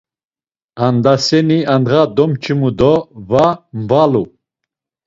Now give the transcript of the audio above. Andaseni, andğa domç̌imu do va mvalu.